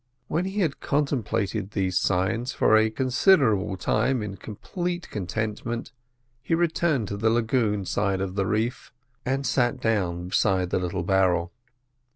When he had contemplated these sights for a considerable time in complete contentment, he returned to the lagoon side of the reef and sat down beside the little barrel.